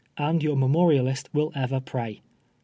And your memorialist will ever prav.